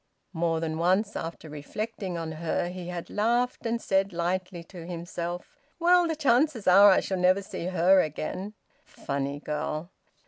More than once, after reflecting on her, he had laughed, and said lightly to himself: "Well, the chances are I shall never see her again! Funny girl!"